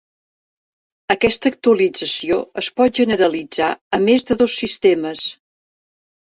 Aquesta actualització es pot generalitzar a més de dos sistemes.